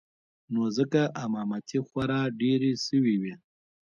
نو ځکه امامتې خورا ډېرې سوې وې.